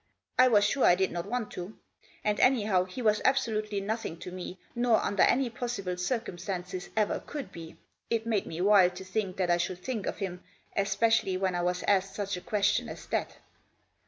I was sure I did not want to. And, anyhow, he was absolutely nothing to me, nor, under any possible circumstances, ever could be. It made me wild to think that I should think of him, especially when I was asked such a question as that.